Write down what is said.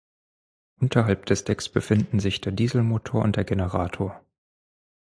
Unterhalb des Decks befinden sich der Dieselmotor und der Generator.